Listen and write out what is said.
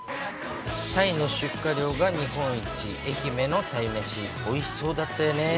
タイの出荷量が日本一、愛媛の鯛めし、おいしそうだったよね。